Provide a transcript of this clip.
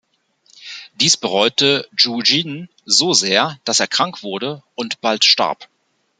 Dies bereute Yu Jin so sehr, dass er krank wurde und bald starb.